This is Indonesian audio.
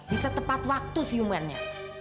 bisa tepat waktu siumannya